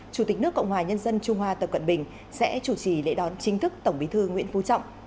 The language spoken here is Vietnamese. chủ tịch nước cộng hòa nhân dân trung hoa tập cận bình sẽ chủ trì lễ đón chính thức tổng bí thư nguyễn phú trọng